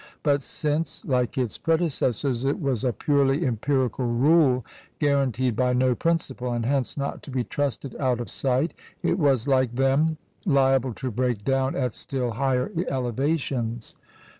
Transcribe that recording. but since, like its predecessors, it was a purely empirical rule, guaranteed by no principle, and hence not to be trusted out of sight, it was, like them, liable to break down at still higher elevations.